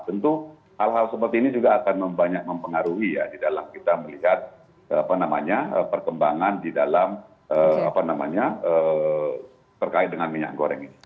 tentu hal hal seperti ini juga akan banyak mempengaruhi ya di dalam kita melihat perkembangan di dalam apa namanya terkait dengan minyak goreng ini